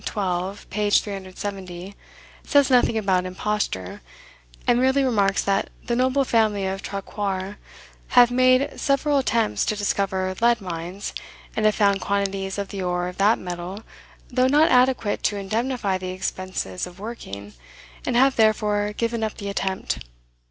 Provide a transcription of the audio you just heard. xii. p. 370) says nothing about imposture, and merely remarks that "the noble family of Traquair have made several attempts to discover lead mines, and have found quantities of the ore of that metal, though not adequate to indemnify the expenses of working, and have therefore given up the attempt."